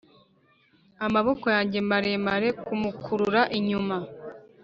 amaboko yanjye maremare kumukurura inyuma.